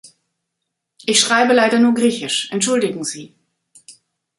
Ich schreibe leider nur Griechisch, entschuldigen Sie.